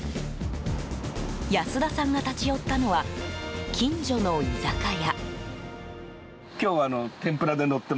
安田さんが立ち寄ったのは近所の居酒屋。